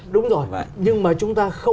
đúng rồi nhưng mà chúng ta